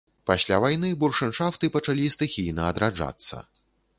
Пасля вайны буршэншафты пачалі стыхійна адраджацца.